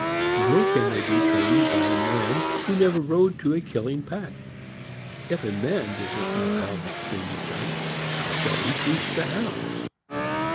Nor can they be trained by a man who never rode to a killing pack. If a man does not know how the thing is done, how shall he teach the Hounds